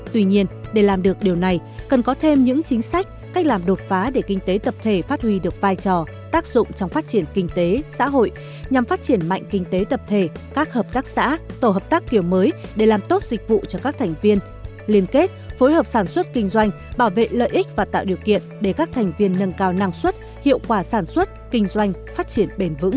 tuy nhiên để làm được điều này cần có thêm những chính sách cách làm đột phá để kinh tế thập thể phát huy được vai trò tác dụng trong phát triển kinh tế xã hội nhằm phát triển mạnh kinh tế thập thể các hợp tác xã tổ hợp tác kiểu mới để làm tốt dịch vụ cho các thành viên liên kết phối hợp sản xuất kinh doanh bảo vệ lợi ích và tạo điều kiện để các thành viên nâng cao năng suất hiệu quả sản xuất kinh doanh phát triển bền vững